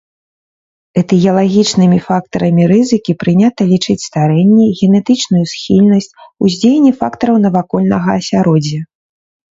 Этыялагічнымі фактарамі рызыкі прынята лічыць старэнне, генетычную схільнасць, уздзеянне фактараў навакольнага асяроддзя.